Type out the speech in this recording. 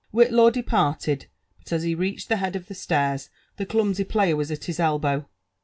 Whitlaw departed ; but as he reached the head of the stiiirs the clumsy player was at his elbow.